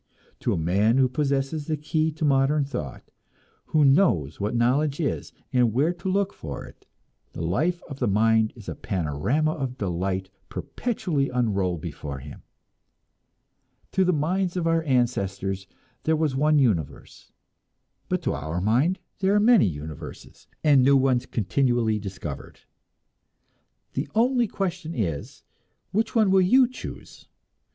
To a man who possesses the key to modern thought, who knows what knowledge is and where to look for it, the life of the mind is a panorama of delight perpetually unrolled before him. To the minds of our ancestors there was one universe; but to our minds there are many universes, and new ones continually discovered. The only question is, which one will you choose?